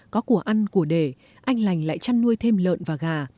có của ăn của để anh lành lại chăn nuôi thêm lợn và gà